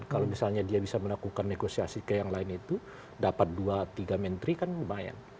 kalau misalnya dia bisa melakukan negosiasi ke yang lain itu dapat dua tiga menteri kan lumayan